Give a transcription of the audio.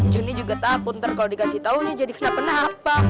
joni juga takut ntar kalau dikasih taunya jadi kena penah apa